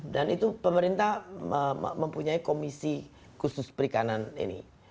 dan itu pemerintah mempunyai komisi khusus perikanan ini